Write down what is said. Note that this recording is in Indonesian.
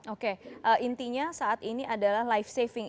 oke intinya saat ini adalah life saving